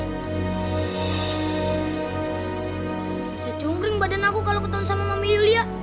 bisa cungkring badan aku kalau ketahuan sama mami yulia